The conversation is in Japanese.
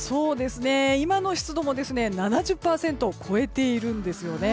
今の湿度も７０％を超えているんですよね。